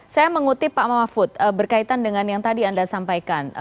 saya mengutip pak mahfud berkaitan dengan yang tadi anda sampaikan